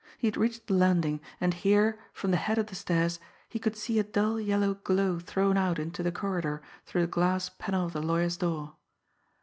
He had reached the landing, and here, from the head of the stairs, he could see a dull yellow glow thrown out into the corridor through the glass panel of the lawyer's door.